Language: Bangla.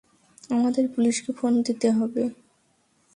আমাদের পুলিশকে ফোন দিতে হবে।